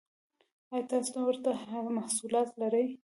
ایا تاسو ورته محصولات لرئ؟